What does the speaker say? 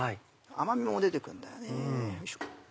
甘みも出て来るんだよね。